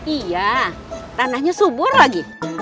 iya tanahnya subur lagi